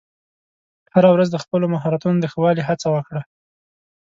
هره ورځ د خپلو مهارتونو د ښه والي هڅه وکړه.